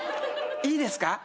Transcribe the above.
いいですか？